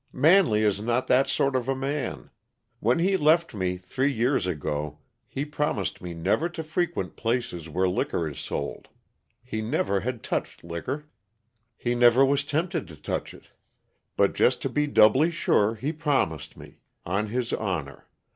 "Manley is not that sort of a man. When he left me, three years ago, he promised me never to frequent places where liquor is sold. He never had touched liquor; he never was tempted to touch it. But, just to be doubly sure, he promised me, on his honor.